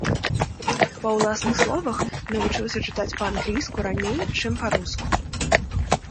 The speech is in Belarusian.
Па ўласных словах, навучыўся чытаць па-англійску раней, чым па-руску.